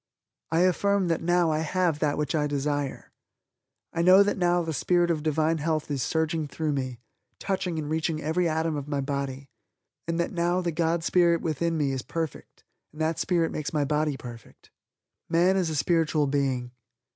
I affirm that now I have that which I desire. I know that now the Spirit of divine health is surging through me, touching and reaching every atom of my body and that now the God Spirit within me is perfect and that Spirit makes my body perfect. "Man is a Spiritual Being.